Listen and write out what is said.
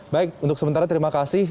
baik untuk sementara terima kasih